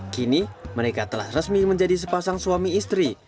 kini mereka telah resmi menjadi sepasang suami istri